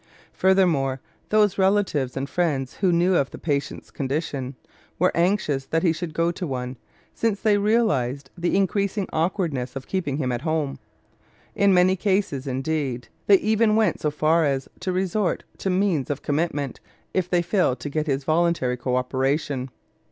Furthermore, those relatives and friends who knew of the patient's condition were anxious that he should go to one, since they realized the increasing awkwardness of keeping him at home. In many cases, indeed, they even went so far as to resort to means of commitment, if they failed to get his voluntary coöperation.